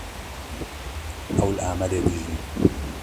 Ew li Amedê dijî.